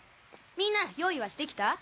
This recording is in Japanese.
みんな用意はしてきた？